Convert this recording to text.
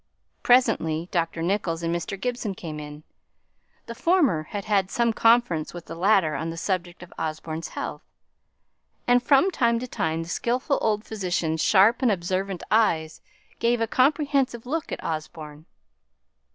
Presently, Dr. Nicholls and Mr. Gibson came in; the former had had some conference with the latter on the subject of Osborne's health; and, from time to time, the skilful old physician's sharp and observant eyes gave a comprehensive look at Osborne.